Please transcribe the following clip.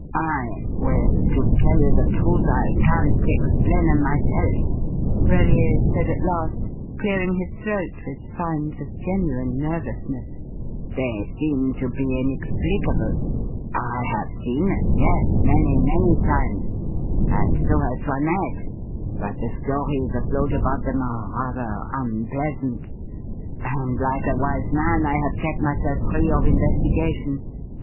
"I well, to tell you the truth, I can't explain 'em myself!" Brellier said at last, clearing his throat with signs of genuine nervousness. "They seem to be inexplicable. I have seen them yes, many, many times. And so has 'Toinette, but the stories afloat about them are rather unpleasant, and like a wise man I have kept myself free of investigation.